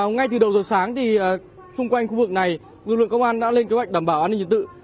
ngay từ đầu giờ sáng xung quanh khu vực này lực lượng công an đã lên kế hoạch đảm bảo an ninh trật tự